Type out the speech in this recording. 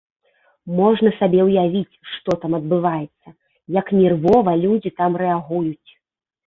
Можна сабе ўявіць, што там адбываецца, як нервова людзі там рэагуюць.